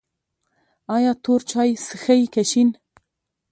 ایا تور چای څښئ که شین؟